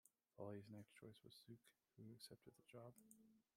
Foley's next choice was Zook, who accepted the job.